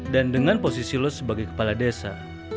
dan dengan posisi lo sebagai kepala desa